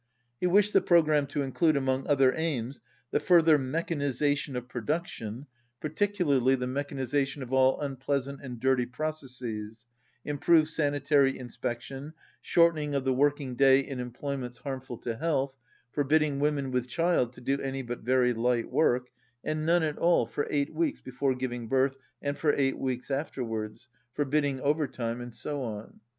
He wished the programme to include, among other aims, the further mechaniza tion of production, particularly the mechanization of all unpleasant and dirty processes, improved sanitary inspection, shortening of the working day in employments harmful to health, forbidding women with child to do any but very light work, and none at all for eight weeks before giving birth and for eight weeks afterwards, forbidding overtime, and so on.